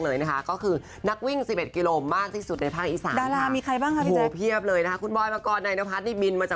อันนี้คือวันแรกในช่วงปลายแล้วซึ่งพี่ตูประชาชนมากมาย